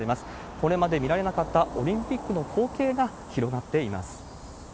これまで見られなかったオリンピックの光景が広がっています。